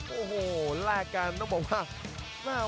โอ้โหแลกกันต้องบอกว่า